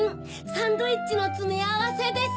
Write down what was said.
サンドイッチのつめあわせです。